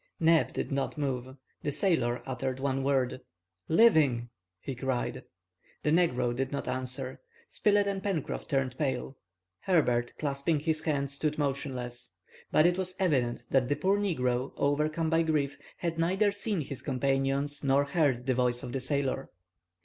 Neb did not move. The sailor uttered one word. "Living!" he cried. The negro did not answer. Spilett and Pencroff turned pale. Herbert, clasping his hands, stood motionless. But it was evident that the poor negro, overcome by grief, had neither seen his companions nor heard the voice of the sailor.